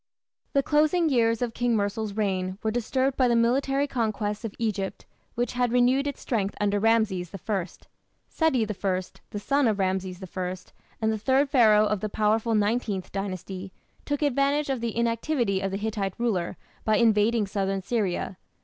The closing years of King Mursil's reign were disturbed by the military conquests of Egypt, which had renewed its strength under Rameses I. Seti I, the son of Rameses I, and the third Pharaoh of the powerful Nineteenth Dynasty, took advantage of the inactivity of the Hittite ruler by invading southern Syria.